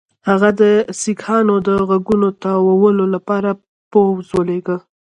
هغه د سیکهانو د غوږونو تاوولو لپاره پوځ ولېږه.